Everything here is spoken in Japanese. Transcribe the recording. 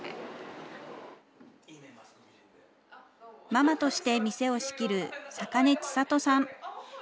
ママとして店を仕切る、坂根千里さん。